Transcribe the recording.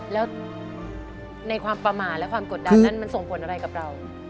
แล้วในความประมาทและความกดดันนั้นมันส่งผลอะไรกับเรา